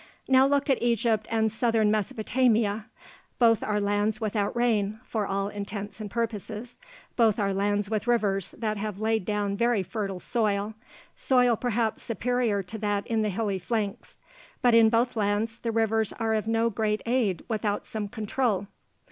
Now look at Egypt and southern Mesopotamia. Both are lands without rain, for all intents and purposes. Both are lands with rivers that have laid down very fertile soil soil perhaps superior to that in the hilly flanks. But in both lands, the rivers are of no great aid without some control.